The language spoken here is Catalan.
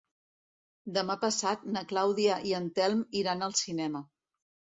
Demà passat na Clàudia i en Telm iran al cinema.